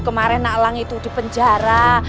kemarin nak elang itu di penjara